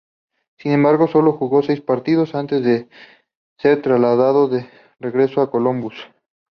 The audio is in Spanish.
Sin embargo, sólo jugó seis partidos antes de ser trasladado de regreso a Columbus.